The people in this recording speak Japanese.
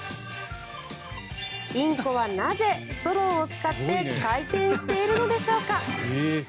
インコはなぜ、ストローを使って回転しているのでしょうか。